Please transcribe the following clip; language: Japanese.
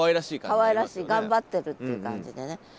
かわいらしい頑張ってるっていう感じでね。